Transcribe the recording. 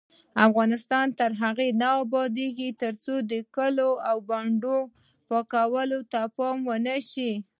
افغانستان تر هغو نه ابادیږي، ترڅو د کلیو او بانډو پاکوالي ته پام ونشي.